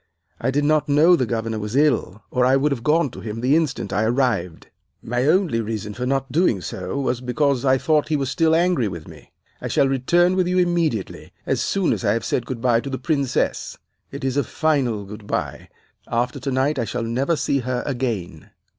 'I did not know the governor was ill, or I would have gone to him the instant I arrived. My only reason for not doing so was because I thought he was still angry with me. I shall return with you immediately, as soon as I have said good by to the Princess. It is a final good by. After tonight, I shall never see her again.